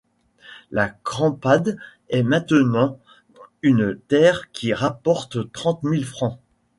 La Crampade est maintenant une terre qui rapporte trente mille francs.